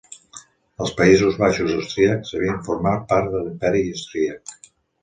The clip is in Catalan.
Els Països Baixos Austríacs havien format part de l'Imperi Austríac.